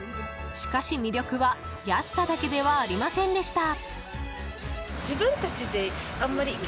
しかし、魅力は安さだけではありませんでした。